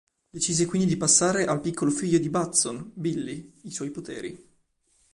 Decise quindi di passare al piccolo figlio di Batson, Billy, i suoi poteri.